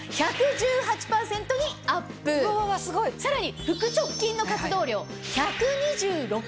さらに。